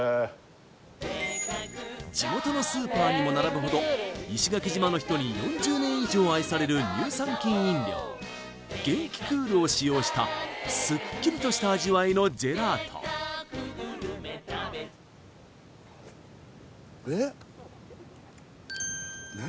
地元のスーパーにも並ぶほど石垣島の人に４０年以上愛される乳酸菌飲料ゲンキクールを使用したすっきりとした味わいのジェラートえっ何